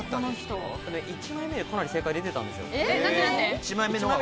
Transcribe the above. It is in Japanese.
１枚目で結構、正解が出ていたんですよ。